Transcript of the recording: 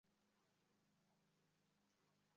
এই, গোল্ডি, একটা বিয়ার এনে দাও তো।